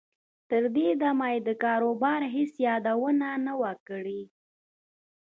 تر دې دمه یې د کاروبار هېڅ یادونه نه وه کړې